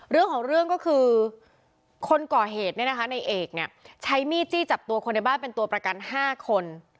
เรื่องของเรื่องก็คือคนก่อเหตุเนี่ยนะคะในเอกเนี่ยใช้มีดจี้จับตัวคนในบ้านเป็นตัวประกัน๕คน